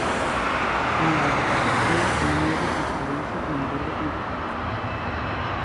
Na licitación non houbo transparencia nin libre concorrencia.